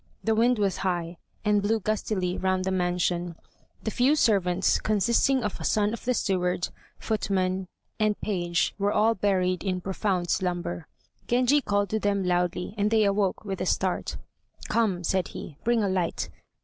The wind was high, and blew gustily round the mansion. The few servants, consisting of a son of the steward, footman, and page, were all buried in profound slumber. Genji called to them loudly, and they awoke with a start. "Come," said he, "bring a light.